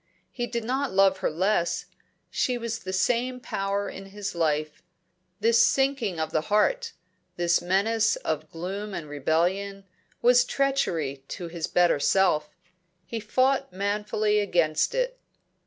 He did not love her less; she was the same power in his life. This sinking of the heart, this menace of gloom and rebellion, was treachery to his better self. He fought manfully against it.